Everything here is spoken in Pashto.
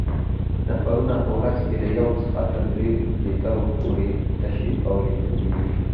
نفرونونه په ورځ کې له یو څخه تر دریو لیترو پورې تشې بولې تولیدوي.